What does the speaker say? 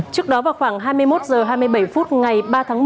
trước đó vào khoảng hai mươi một h hai mươi bảy phút ngày ba tháng một